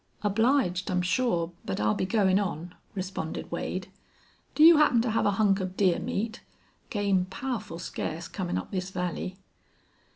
"Obliged, I'm sure, but I'll be goin' on," responded Wade. "Do you happen to have a hunk of deer meat? Game powerful scarce comin' up this valley."